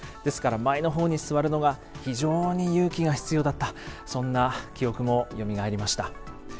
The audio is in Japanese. ですから前の方に座るのが非常に勇気が必要だったそんな記憶もよみがえりました。